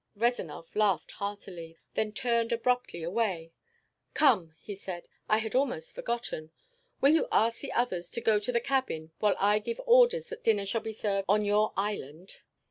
Rezanov laughed heartily, then turned abruptly away. "Come," he said. "I had almost forgotten. Will you ask the others to go to the cabin, while I give orders that dinner shall be served on your island?"